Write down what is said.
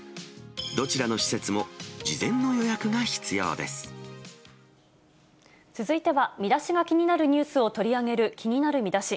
どちらの施設も、事前の予約が必続いては、ミダシが気になるニュースを取り上げる気になるミダシ。